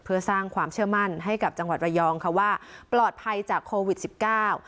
เพื่อสร้างความเชื่อมั่นให้กับจังหวัดระยองค่ะว่าปลอดภัยจากโควิดสิบเก้า